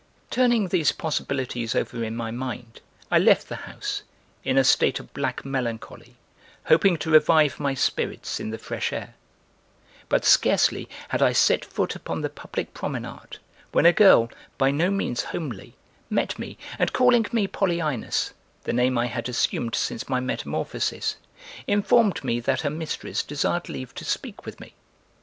(Turning these possibilities over in my mind I left the house, in a state of black melancholy, hoping to revive my spirits in the fresh air, but scarcely had I set foot upon the public promenade when a girl, by no means homely, met me, and, calling me Polyaenos, the name I had assumed since my metamorphosis, informed me that her mistress desired leave to speak with me.